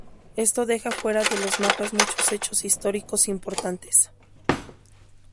Esto deja fuera de los mapas muchos hechos históricos importantes.